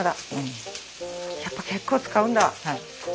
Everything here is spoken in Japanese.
やっぱ結構使うんだ。